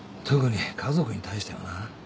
特に家族に対してはな。